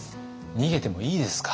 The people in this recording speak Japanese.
逃げてもいいですか？